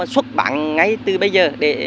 xuất bán ngay từ bây giờ